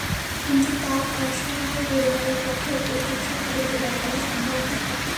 কিন্তু তাঁর অসহায় পরিবারের পক্ষে প্রয়োজনীয় চিকিৎসা খরচ জোগাড় করা সম্ভব নয়।